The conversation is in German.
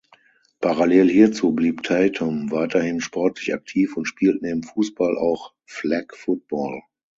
Parallel hierzu blieb Tatum weiterhin sportlich aktiv und spielt neben Fußball auch Flag Football.